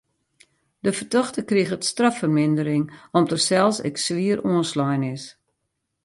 De fertochte kriget straffermindering om't er sels ek swier oanslein is.